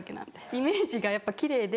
イメージがやっぱ奇麗で。